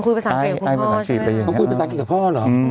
คุยภาษาอังกฤษคุณพ่อใช่ไหมคุยภาษาอังกฤษกับพ่อเหรออืม